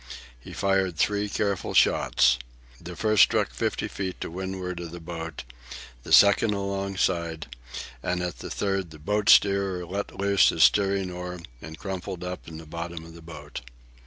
He fired three careful shots. The first struck fifty feet to windward of the boat, the second alongside; and at the third the boat steerer let loose his steering oar and crumpled up in the bottom of the boat.